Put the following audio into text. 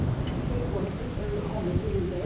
結構ねそれで今度昼で。